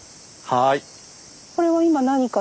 はい。